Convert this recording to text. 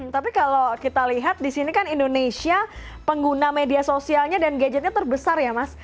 tapi kalau kita lihat di sini kan indonesia pengguna media sosialnya dan gadgetnya terbesar ya mas